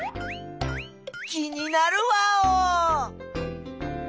気になるワオ。